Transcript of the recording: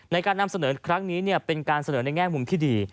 ในการนำเสนอครั้งนี้เป็นการเสนอในแง่มุมที่ดี